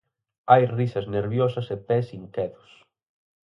Hai risas nerviosas e pés inquedos.